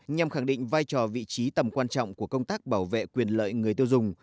nhằm khẳng định vai trò vị trí tầm quan trọng của công tác bảo vệ quyền lợi người tiêu dùng